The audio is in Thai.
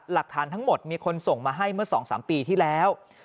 หลักฐานทั้งหมดมีคนส่งมาให้เมื่อ๒๓ปีที่แล้ว